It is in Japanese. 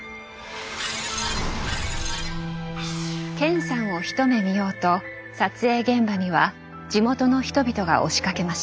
健さんを一目見ようと撮影現場には地元の人々が押しかけました。